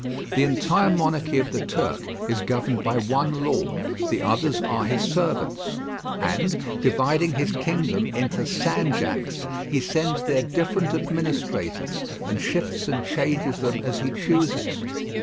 The entire monarchy of the Turk is governed by one lord, the others are his servants; and, dividing his kingdom into sanjaks, he sends there different administrators, and shifts and changes them as he chooses.